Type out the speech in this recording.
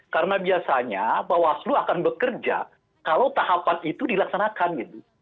karena biasanya bawaslu akan bekerja kalau tahapan itu dilaksanakan gitu